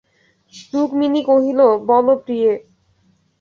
রুক্মিণী কহিল, বলো প্রিয়ে।